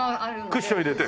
クッション入れて？